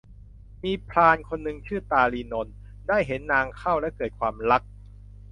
มีพรานป่าคนหนึ่งชื่อตาลีนนท์ ได้เห็นนางเข้าและเกิดความรัก